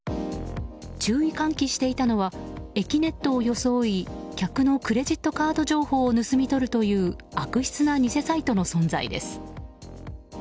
注意喚起していたのはえきねっとを装い客のクレジットカード情報を盗み取るという悪質な偽サイトの存在です。